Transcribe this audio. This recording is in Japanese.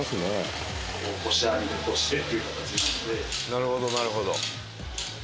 なるほどなるほど。